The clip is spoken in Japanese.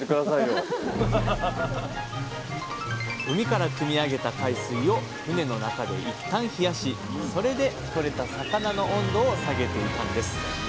海からくみ上げた海水を船の中でいったん冷やしそれでとれた魚の温度を下げていたんです。